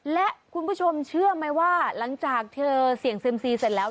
และคุณผู้ชมเชื่อไหมว่าหลังจากเธอเสี่ยงเซียมซีเสร็จแล้ว